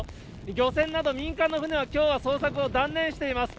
漁船など、民間の船はきょうは捜索を断念しています。